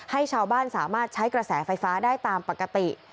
ให้ชาวบ้านสามารถใช้กระแสไฟฟ้าได้ตามปกติ